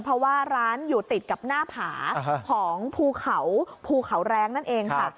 เพราะว่าร้านอยู่ติดกับหน้าผาของภูเขาภูเขาแรงนั่นเองค่ะ